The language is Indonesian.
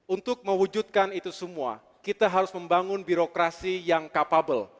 untuk mewujudkan itu semua kita harus membangun birokrasi yang capable